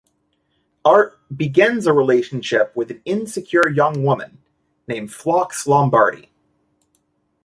Art begins a relationship with an insecure young woman named Phlox Lombardi.